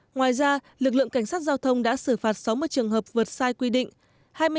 ngoài ra lực lượng cảnh sát giao thông đã xử phạt sáu mươi trường hợp vượt sai quy định